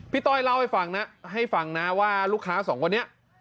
ต้อยเล่าให้ฟังนะให้ฟังนะว่าลูกค้าสองคนนี้